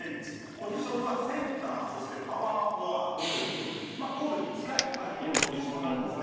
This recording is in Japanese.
ポジションはセンターそしてパワーフォワードという事でゴールに近いとこのポジションなんですね。